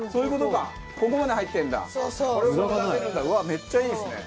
めっちゃいいですね！